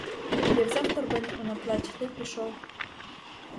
Я взяв торбинку на плечі та й пішов.